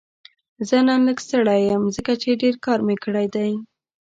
زه نن لږ ستړی یم ځکه چې ډېر کار مې کړی دی